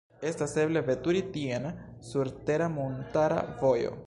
Estas eble veturi tien sur tera montara vojo.